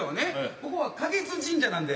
ここは花月神社なんで。